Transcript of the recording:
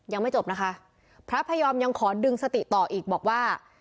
ยังไม่จบนะคะพระพยอมยังขอดึงสติต่ออีกบอกว่า